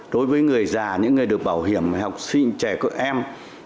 đối với người già những người được bảo hiểm học sinh trẻ của em